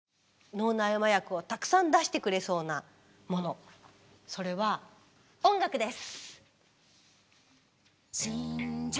脳内麻薬をたくさん出してくれそうなものそれは音楽です！